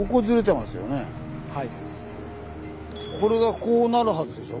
これがこうなるはずでしょ。